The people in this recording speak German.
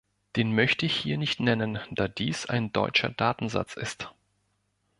Den möchte ich hier nicht nennen, da dies ein deutscher Datensatz ist.